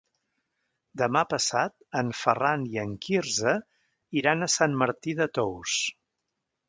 Demà passat en Ferran i en Quirze iran a Sant Martí de Tous.